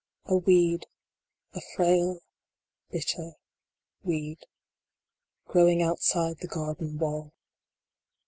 A weed a frail, bitter weed growing outside the garden wall.